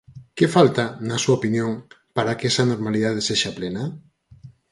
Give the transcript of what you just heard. Que falta, na súa opinión, para que esa normalidade sexa plena?